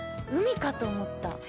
海かと思った。